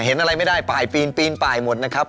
เห็นอะไรไม่ได้ปลายปีนปีนป่ายหมดนะครับ